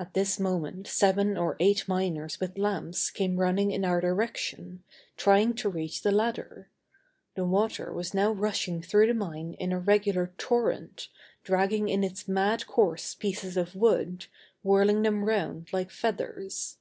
At this moment seven or eight miners with lamps came running in our direction, trying to reach the ladder. The water was now rushing through the mine in a regular torrent, dragging in its mad course pieces of wood, whirling them round like feathers.